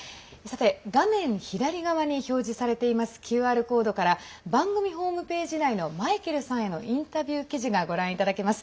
画面左側に表示されているＱＲコードから番組ホームページ内のマイケルさんへのインタビュー記事がご覧いただけます。